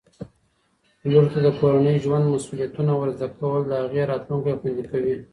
لور ته د کورني ژوند مسؤلیتونه ور زده کول د هغې راتلونکی خوندي کوي